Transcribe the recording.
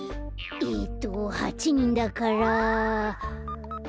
えっと８にんだから。